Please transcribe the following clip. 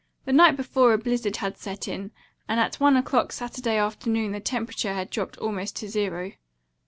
The night before a blizzard had set in, and at one o'clock Saturday afternoon the temperature had dropped almost to zero.